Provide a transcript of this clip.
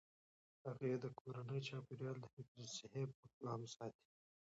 هغې د کورني چاپیریال د حفظ الصحې پام ساتي.